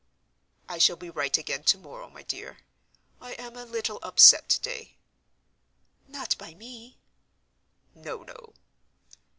"I shall be right again to morrow, my dear. I am a little upset to day." "Not by me?" "No, no."